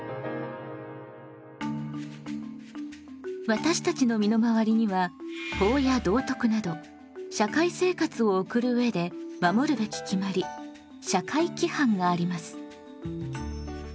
私たちの身の回りには法や道徳など社会生活をおくるうえで守るべき決まり社会規範があります。